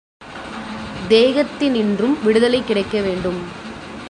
தேகத்தினின்றும் விடுதலை கிடைக்க வேண்டும்.